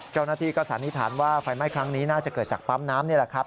เจ้าหน้าที่ก็สันนิษฐานว่าไฟไหม้ครั้งนี้น่าจะเกิดจากปั๊มน้ำนี่แหละครับ